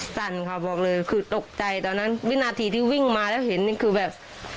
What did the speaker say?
สั่นค่ะบอกเลยคือตกใจตอนนั้นวินาทีที่วิ่งมาแล้วเห็นนี่คือแบบ